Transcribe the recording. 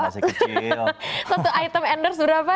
satu item endorse berapa